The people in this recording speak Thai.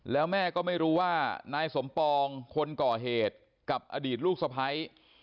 แล้วแม่ก็ไม่รู้ว่านายสมปองคนก่อเหตุกับอดีตลูกสะพ้าย